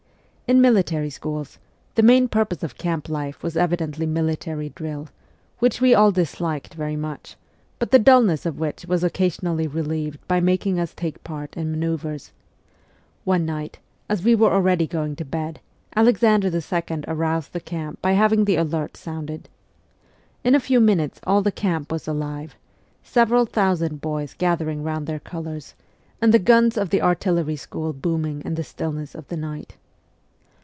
In military schools the main purpose of camp life was evidently military drill , which we all disliked very much, but the dulness of which was occasionally relieved by making us take part in manceuvres. One night, as we were already going to bed, Alexander II. aroused the camp by having the alert sounded. In a few minutes all the camp was alive several thousand boys gathering round their colours, and the guns of the artillery school booming in the stillness of ^he night.